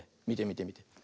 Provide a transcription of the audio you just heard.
みてみてみて。